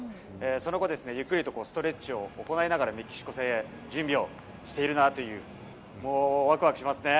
その後、ゆっくりとストレッチを行いながら、メキシコ戦へ準備をしているなという、もう、わくわくしますね。